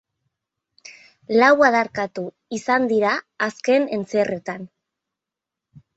Lau adarkatu izan dira azken entzierroetan.